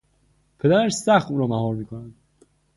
پدرش سخت او را مهار میکند.